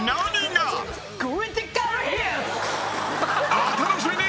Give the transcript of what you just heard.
お楽しみに！